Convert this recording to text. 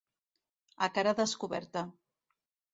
A cara descoberta.